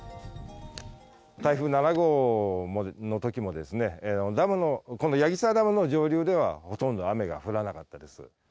台風７号のときも、ダムの、この矢木沢ダムの上流ではほとんど雨が降らなかったです。